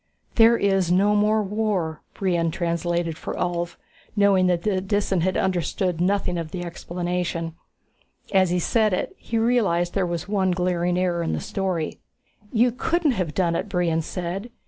"There is no more war," Brion translated for Ulv, knowing that the Disan had understood nothing of the explanation. As he said it, he realized that there was one glaring error in the story. "You couldn't have done it," Brion said.